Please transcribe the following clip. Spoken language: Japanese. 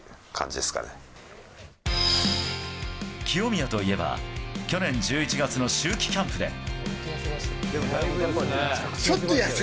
清宮といえば去年１１月の秋季キャンプで。